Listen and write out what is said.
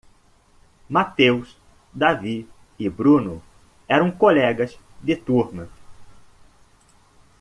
Matheus, Davi e Bruno eram colegas de turma.